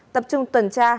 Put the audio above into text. tập trung tuần tra